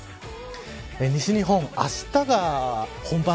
西日本、あしたが本番。